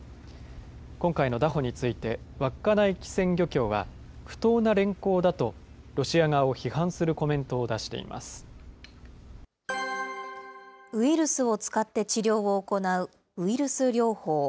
今回の拿捕について、稚内機船漁協は、不当な連行だとロシア側を批判するコメントを出ウイルスを使って治療を行うウイルス療法。